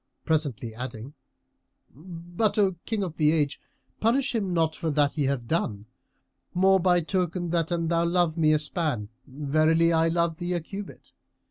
presently adding, "But, O King of the Age, punish him not for that he hath done; more by token that an thou love me a span, verily I love thee a cubit.